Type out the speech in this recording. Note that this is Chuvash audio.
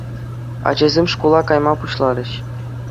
Ачасем шкула кайма пуҫларӗҫ.